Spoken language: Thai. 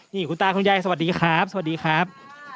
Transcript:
นี่คุณตาคุณยายสวัสดีครับสวัสดีครับ